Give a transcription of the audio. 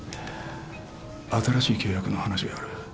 新しい契約の話がある。